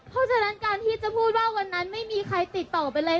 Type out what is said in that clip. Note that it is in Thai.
เพราะฉะนั้นการที่จะพูดว่าวันนั้นไม่มีใครติดต่อไปเลย